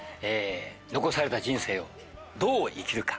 残された人生をどう生きるか。